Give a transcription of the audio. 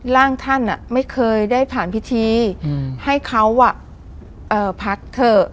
ร่างท่านอ่ะไม่เคยได้ผ่านพิธีอืมให้เขาอ่ะเอ่อพักเถอะ